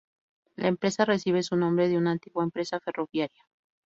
La empresa recibe su nombre de una antigua empresa ferroviaria.